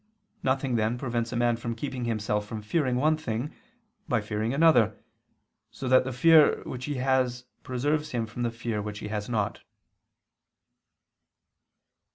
Nothing, then, prevents a man from keeping himself from fearing one thing, by fearing another, so that the fear which he has preserves him from the fear which he has not.